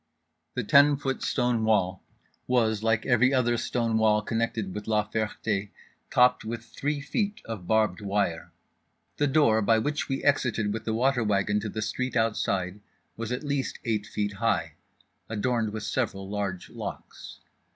The ten foot stone wall was, like every other stone wall, connected with La Ferté, topped with three feet of barbed wire. The door by which we exited with the water wagon to the street outside was at least eight feet high, adorned with several large locks.